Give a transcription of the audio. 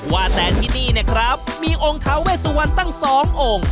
ว่าแต่ที่นี่เนี่ยครับมีองค์ท้าเวสวันตั้งสององค์